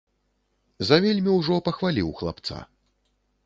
Завельмі ўжо пахваліў хлапца.